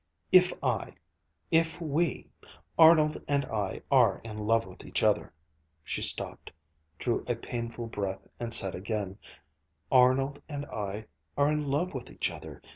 "If I if we Arnold and I are in love with each other." She stopped, drew a painful breath, and said again: "Arnold and I are in love with each other.